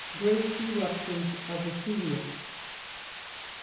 GREAT ERUPTIONS OF VESUVIUS.